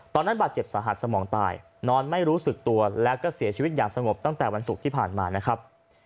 ตอนนั้นบาดเจ็บสาหัสสมองตายนอนไม่รู้สึกตัวแล้วก็เสียชีวิตอย่างสงบตั้งแต่วันศุกร์ที่ผ่านมานะครับ